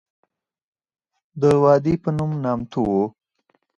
د وادي پنوم نامتو وه.